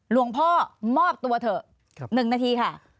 หลวงพ่อมอบตัวเถอะ๑นาทีค่ะ